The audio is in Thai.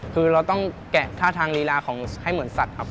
คือเราต้องแกะท่าทางลีลาของให้เหมือนสัตว์ครับ